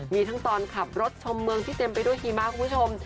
มีทั้งตอนขับรถชมเมืองที่เต็มไปด้วยหิมะคุณผู้ชม